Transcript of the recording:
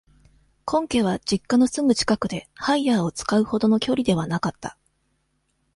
婚家は、実家のすぐ近くで、ハイヤーを使う程の距離ではなかった。